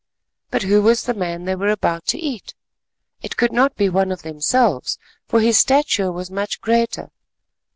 But who was the man they were about to eat? It could not be one of themselves, for his stature was much greater.